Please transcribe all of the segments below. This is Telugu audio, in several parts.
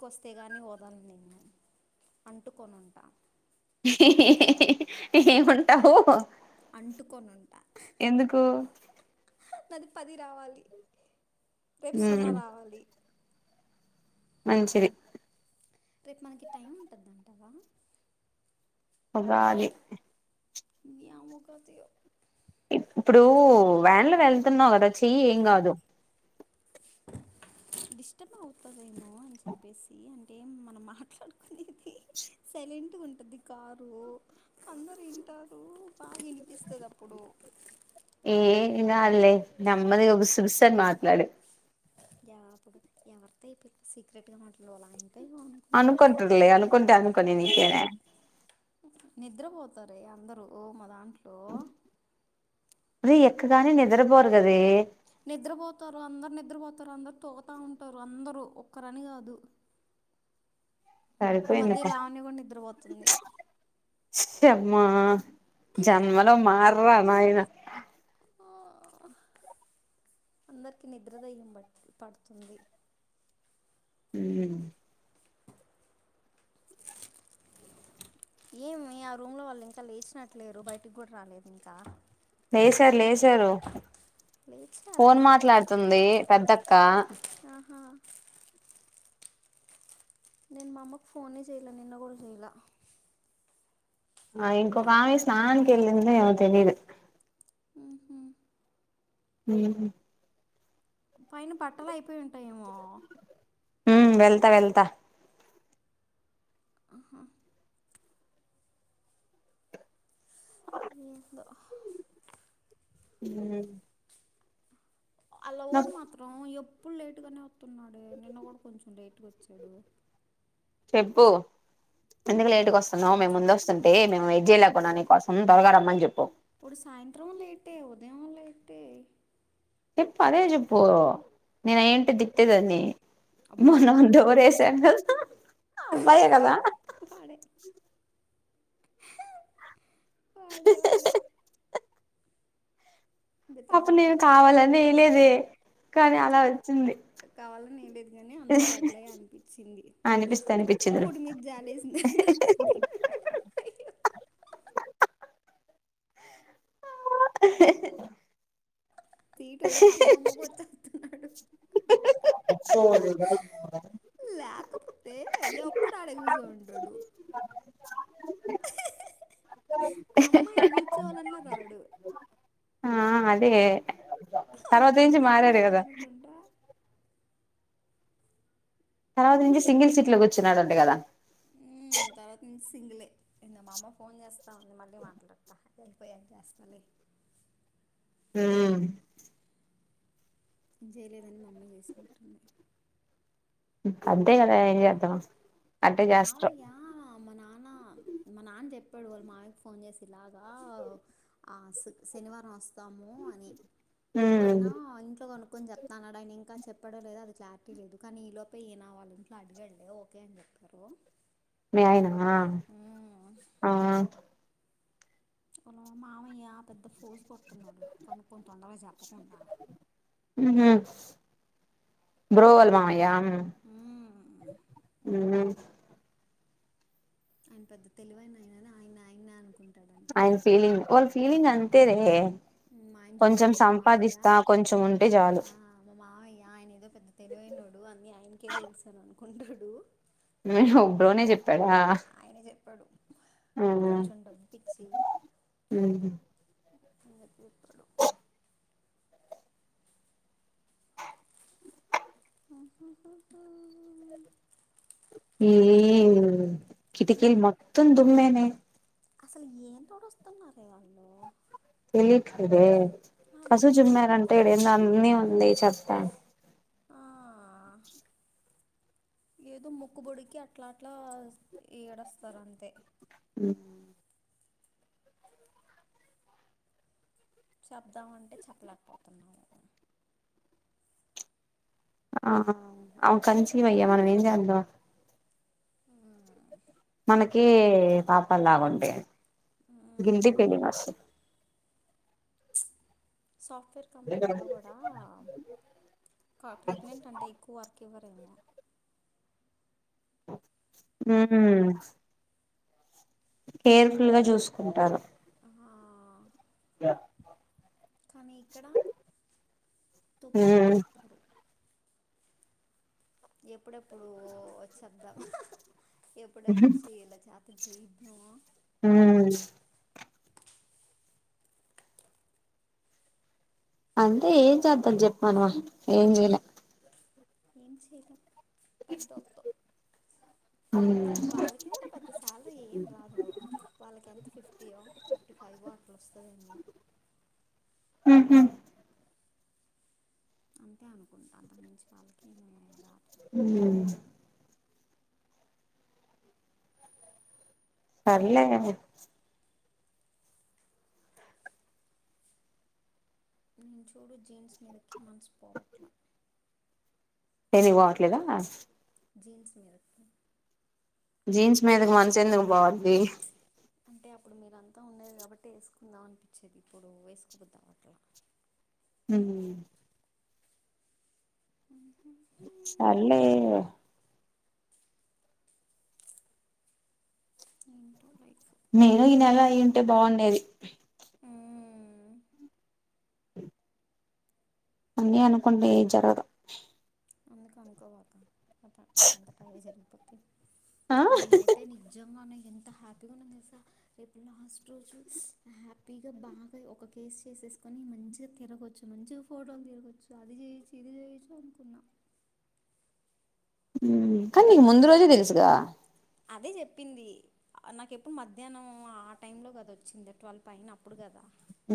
కొస్తే గాని వదల్ను నిన్ను అంటూకొనుంటా ఇహ్ హ్ హ్ హ్ ఏముంటావో అంటుకొనుంట నాది పది రావాలి రేప్ సున్నా మ్మ్ రావాలి. మంచిది. రేప్ మనకి టైం ఉంటుందంటావా ఉగాది ద్యాముకతీయో ఇప్పుడు వ్యాన్లో వెళ్తున్నావు కదా చెయ్యి ఏం కాదు. డిస్టర్బ్ అవుతర్ ఏమో అని చెప్పేసి అన్ ఏం మనం మాట్లాడుకునేది సైలెంట్గా ఉంటది కారు అందరింటారు. బాగీనిపిస్తదప్పుడు ఏంగాద్లే నెమ్మదిగా గుస్సుగుస్సన్ మాట్లాడు యా అప్పుడు ఎవరితో ఇప్ ఇప్పుడు సీక్రెట్ గా మాట్లాడ్ వాలయన అనుకుంటర్లే అనుకుంటే అనుకుని నికేనే త్తరే అందరు ఓ మా దాంట్లో మరి ఎక్కగానే నిన్ నిద్రపోతారు అందర్ నిద్రపోత్ తర అందరు తోతా ఉంటారు అందరూ ఒక్కరని కాదు ఈ మధ్య సరిపోయిందిపా లావాణ్య గూడా నిద్రవోతుంది. చెమ్మా జన్మలో మార్రా నాయన ఆ అందరికీ నిద్రదయ్యబట్ పడుతుంది హ్మ్! ఏమి? ఆ రూమ్ లో వాళ్ళు ఇంకా లేచినట్లేరు బయటికి కూడా రాలేదు ఇంకా. లేసారు, లేసారు, లేచారా ఫోన్ మాట్లాడుతుంది పెద్దక్క. ఆహా నేను మామ్మకు ఫోనే చేయ్యలే, నిన్న కూడా చేయ్యలే. ఆ ఇంకోఆమె స్నానానికి కెళ్లిందో ఏమో తెలీదు. ఉహు. హ్మ్! పైన బట్టలు అయిపోయి ఉంటాయేమో? హ్మ్ వెళ్తా! వెళ్తా. ఆహా ఏందో హ్మ్! అలా ఓడ్ మాత్రం ఎ [unintelligible] ఇప్పుడు లేటుగానే వస్తున్నాడే నిన్న కూడా కొంచెం లేట్గా వచ్చాడు. చెప్పు ఎందుకు లేటుకి వస్తున్నావు? మేము ముందు వస్తుంటే మేము వెయిట్చేయలే కుండా నీ కోసం తొరగా రమ్మని చెప్పు. ఇప్పుడు సాయంత్రం లేటే, ఉదయం లేటే. చెప్పు, అదే చెప్పు నేను ఏంటి తిట్టేదాన్ని? అబ్బా మనం డోర్ ఏసాం గదా. అబ్బాయే కదా? హ హ్ వాడే వాడే వాడే [unintelligible] అప్పుడు నేను బిత్రపోతున్నాడు కావాలని వేయలేదే. కానీ అలా వచ్చింది కావాలని ఏ లేదు కానీ అందరికి అట్లాగే అనిపించింది అనిపిస్తే అనిపించిందిలే మప్పుడు మీద జాలేసింది. [unintelligible] తీట పగలగొట్టడానికి వస్తున్నాడు. లేకపోతే ఎప్పుడు ఆడ కూర్చోనే ఉంటాడు అమ్మాయిలు కూర్చోవాలన్న రాడు. దే వాడికి తెలుగు అర్ధం అవుతుంది అనుకుంటా. తర్వాత నుంచి సింగిల్ సీట్ లో కూర్చుంటున్నాడంట కదా! ఉ తర్వాత నుంచి మా అమ్మ ఫోన్ చేస్తా ఉంది. మళ్ళీ మాట్లాడతా వెళ్ళపోయి చేస్తాలే. హ్మ్! ఏం చేయలేదని మా అమ్మ చేసుకుంటానంది అద్దె కదా ఏం చేస్తాం? అంటే వాళ్ళ చేస్తావ్. మావయ్య మా నాన్న, మా నాన్న చెప్పాడు. వాళ్ళు మాయకి ఫోన్ చేసి ఇలాగా. ఆ శనివారం వస్ రాము అని ఆయన ఇంట్లో కొనుకుని చెప్తాను అన్నాడు ఆయన ఇంకా. చెప్పడం లేదు, అది క్లారిటీ లేదు కానీ ఈ లోప ఈయన వాళ్ల ఇంట్లో అడిగాడు లే ఓకే అని చెప్పా. హలో! మీ ఆయన? హ్మ్ హ్మ్! మామయ్య పెద్ద పోజ కొడుతున్నాడు కొను కొన్ని తొందరగా చెప్పకుండా బ్రోవల్ మామయ అ ఉమ్, హ ఆయన పెద్ద తెలివన ఆయనని ఆయన ఆయన అనుకుంటాడంట ఆయన్ ఫీలింగ్ వఓళ ఫీలింగ్ అంత తేరే మాయన చెప్పాడు మా మావయ్యా కొంచెం ఉంటే చాలు ఆ మా మావయ్యా ఆయన ఏదో పెద్ద తెలివనాడు అన్ని ఆయనకే తెలుసాను అనుకుంటాడు ఒ బ్రోనే చెప్పాడా ఏపడు కొంచెం డబ్బించి అ చెప్పుడు ఉ [inaudible] ఈ కిటికీల్ మత్తం దుమ్మె అ అసలు ఏం తోడు వస్తున్నారే వాళ్ళు తెలిట్ ఇే కసుు అదే జుమ్మార్ అంట ఇ ఎందు అన్నీ వంద చెప్ప ఆ [inaudible] ఏదో మొక్కుబొడికి అట్లా అట్లా ఏడస్తారు అంతే అ చెప్దామ అంటే చెప్పలేకపోతున్నాము ఆ అన్ కనించివయ్యా మనం ఏంజంద మ్మ్. మనకే మనమే పాపల్ ఆగుంటు అ గంది పేడి వస్త సాఫ్ట్వేర్ కంపెనీలో కూడా ప్రెగ్నెంట్ అంటే ఎక్కువ వర్క్ ఎవారేమ హ కేర్ఫుల్ గా చూసుకుంటారు ఆ, [inaudible] కానీ ఇక్కడ తొక్కి మ్మ్ పడేస్తారు ఎప్పుడెప్పుడు వ చెద్దాం ఎప్పుడెప్పుడు చీల చేత [inaudible] హ అంటే ఏం చేద్దాము చెప్పు మనం ఏం చేయలేఎం ఏం చేయలేం పెద్దోళ్ళతో వాళ్ళకి కూడా పెద్ద సాలరీ ఏం రాదు వాళ్ళకి ఎంత ఫిఫ్టీయో ఫిఫ్టీ ఫైవ్ అట్లా వస్తుందేమో ఆహా అంతే అనుకుంటా అంతకు మించి వాళ్ళకి ఏమి రా హ సర్లే నేను చూడు జీన్స్ మీదకే మనసు పోవట్లా దేనికి పోవట్లేదా జీన్స్ మీదకి జీన్స్ మీదకు మనసు ఎందుకు పొది అంటే అప్పుడు మీరుంతా ఉండది కాబట్టి వేసుకుందాం అనిపించేది ఇప్పుడు వేసుకో బుద్ధి అవట్ల హ ఉహు సర్లే ఏంటో లైఫ్ నేను ఈ నెల అయింటే బాగుండేది హ్మ్మ్ అన్నీ అనుకుంటే జరగదు అందుకే అనుకోమాకు అ వాటింతఅవే జరుగుతాయి ఆ నేనైతే నిజంగానే ఎంత హ్యాపీగా ఉన్నా తెలుసా రేపు లాస్ట్ రోజు హ్యాపీగా బాగా ఒక కేసు చేసేసుకొని మంచిగా తిరగవచ్చు మంచిగా ఫోటోలు తిరగవచ్చు అది చేయొచ్చు ఇది చేయొచ్చు అనుకున్నా కానీ నీకు ముందు రోజే తెలుసుగా అదే చెప్పింది నాకెప్పుడు మధ్యాహ్నం ఆ టైంలో కదా వచ్చింది ట్వెల్ఫ్ పయిన అప్పుడు కదా హ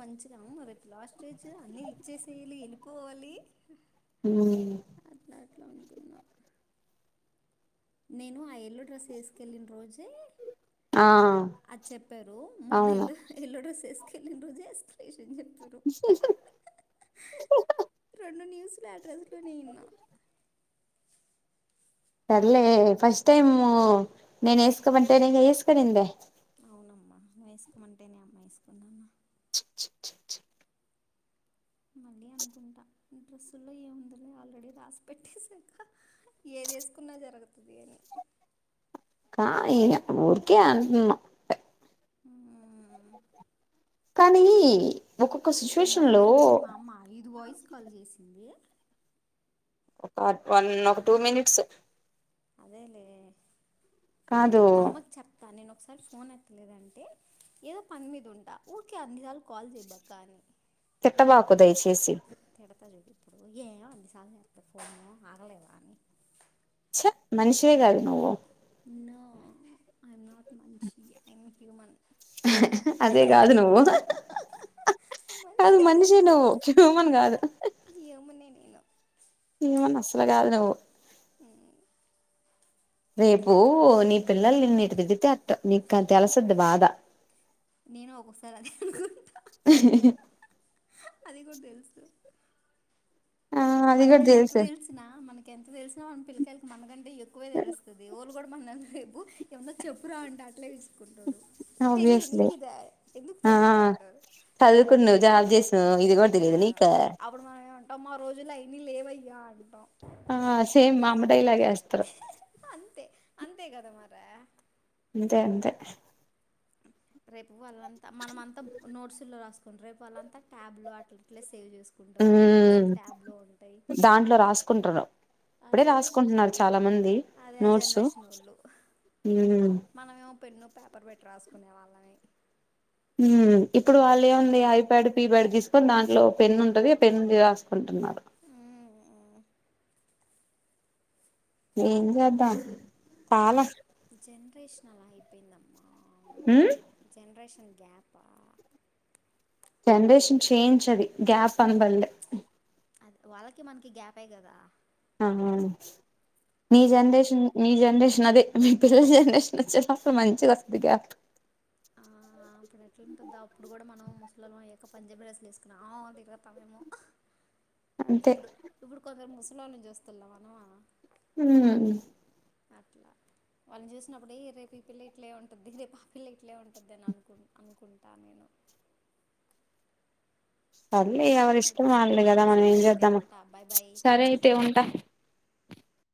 మంచిగాము మ రేపు లాస్ట్ స్టేజ్ అన్ని ఇచ్చేసేయళి వెళ్ళిపోవాలి హ [unintelligible] అనుకున్న నేను ఆ ఎల్లో డ్రస్ వేసుకెళ్లిిన రోజే ఆ అది చెప్పారు మొన్న అవును ఎల్లో ఎల్లో డ్రస్ వేసు కనిన రోజే ఎక్స్ప్రెస్ టెన్షన్ కరో రెండు న్యూస్ ఆ డ్రెస్ లోనే ఉన్నా సర్లే ఫస్ట్ టైమ్ నేను వేస్కోమంటె నే కదా ఎస్కొనుంది అవునమ్మా నువ్వు వేసుకోమంటేనే అమ్మా వేసుకున్నాను మళ్ళీ అనుకుంటా డ్రెస్సుల్లో ఏముందలే ఆల్రెడీ రాసి పెట్టేసాక ఏదేసుకున్నా జరుగుతుంది అని కా ఇ ఎప్పు ఊరుకే అంటన్నా హ్మ్మ్ కానీ ఒక్కొక్క ఈ సిచ్యువేషన్ అమ్మాయి లో ఏందే మా అమ్మ ఐదు వాయిస్ కాల్ చేసింది ఒక వన్ ఒక టూ మినిట్స్ అదే లే కాదు మా అమ్మకు చెప్తా నేను ఒకసారి ఫోన్ ఎత్తలేదని హే ఏదో పని మీద ఉంటా ఊరికే అన్నిసార్లు కాల్ చేయబాక అని తిట్ట బాకు దయచేసి తిడతా చూడు ఇప్పుడు ఏ వన్ని సార్లు చేతా ఫోన్ ఆగలేవా అని చ్చ మనిషివే కాదు నువో నో ఐఎమ్ నాట్ మనిషి ఐన్ హ్యూమన్ అదే కాదు నువ్వు మనిషి కాదు అది నువ్వు హ్యూమన్ కాదు హ్యూమన్ నే నేను ఏమన్నా అసలు కాదు నువ్వు ఈ రేపు నీ పిల్లల్ నిన్ను ఇటు దిద్దుతే అట్ నీకు అది తెలుసుద్ది బాధ నేను ఒకసారి అది అనుకుంటను అది కూడా తెలుసు ఆ అది కూడా మనకి ఎంత తెలుసు తెలిసినా మనకి ఎంత తెలిసిన వాన్ పిల్లకాయలకు మనగాని ఎక్కువే తెలుస్తుంది ఎవ్వలు కూడా మనల్ని రేపు ఏమన్నా చెప్పురా అంటే అట్లే వీస్ ఓబియస్లీ ఎందుకు ఆ తెలీదు అంటారు చదువుకుండు జాబ్ చేసి నా ఇది కూడా తెలీదు నీకా రోజులు అయినాయ్ లేవయ్యా అంటాం ఆ సేమ్ మా అమ్మ డైలాగ్ గే ఏస్తారు అంతే అంతే కదా మరే ఇంతే అంతే రేపు వాళ్ళంతా మనము అంతా నోట్స్ లు రాసుకుంటారు రేపు వాళ్ళంతా ట్యాబ్లు అట్లాఇట్లేస్ సేవ్ చేసుకుంటారు ఉమ్ నోట్స్లు ట్యాబ్ లో ఉంటాయి కుంటున్నావు అదే అదే ఆ నోట్స్ జనరేషన్ వోళ్ళు ఉమ్ మనమేమో పెన్ను పేపర్ పెట్టి రాసుకు కునే వాళ్ళం ఏయ్ హ్మ్ ఇప్పుడు వాళ్ళు ఏముంది ఐ ప్యాడ్ పీప్యాడ్ తీసుకొని దాంట్లో పెన్ ఉంటది ఆ పెన్ ది రాసుకుంటున్నారు ఏం గాదు దా జెనరేషన్ ఆ లైపు పిన్నమ్మ ఉ జెనరేషన్ గ్యాప్ ఆ జనరేషన్ చేయించ్ అది గ్యాప్ అనుబలే అది వాళ్ళకి మనకి గ్యాపే కదా ఆ నీ జనరేషన్ నీ జనరేషన్ అదే మీ పిల్లల జనరేషన్ వచ్చే టప్పుడు మంచిగా ఆస్తది గా ఆ అప్పుడు ఎట్లాంటందా అప్పుడు కూడా మనం ఇల ఏక పంజాబి డ్రెస్లు వేసుకున్నా ఆవు అగ తమయమో అంతే ఇప్పుడు ఇప్పుడు కొందరు ముస్లిం లో నుంచి వస్తున్నావానవా ఉ అట్లా వాళ్ళని చూసినప్పుడు రేపు ఈ పిల్ల ఇట్లే ఉంటది రేపు ఆ పిల్ల ఇట్లే ఉంటది అని అనుకు అనుకుంటా నేను సర్లేఎవరి ఇష్టం ఇంకేమైతే వాళ్ళు కదా సంగతులు మనం సరే ఏం అయితే చేద్దాము ఉంటా బాయ్ బాయ్ సరే అయితే ఉంటా